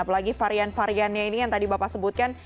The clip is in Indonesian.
apalagi varian variannya ini yang tadi bapak sebutkan